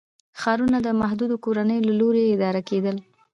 ښارونه د محدودو کورنیو له لوري اداره کېدل.